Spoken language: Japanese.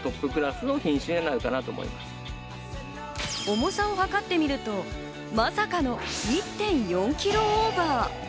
重さを計ってみると、まさかの１．４ｋｇオーバー。